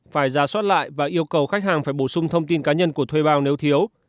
phải ra soát lại và yêu cầu khách hàng phải bổ sung thông tin cá nhân của thuê bao nếu thiếu